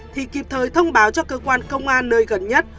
thì kịp thời thông báo cho cơ quan công an nơi gần nhất